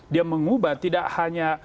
dia mengubah tidak hanya